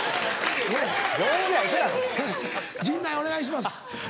陣内お願いします。